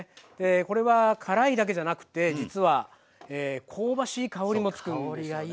これは辛いだけじゃなくて実は香ばしい香りもつくんですよね。